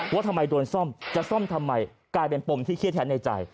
ว่าทำไมโดนซ่อมจะซ่อมทำไมกลายเป็นปมที่เครียดแท้ในใจ